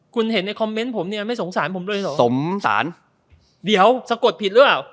คุณเห็นในคอมเมนต์ผมเนี่ยไม่สงสารผมเลยเหรอสงสารเดี๋ยวสะกดผิดหรือเปล่า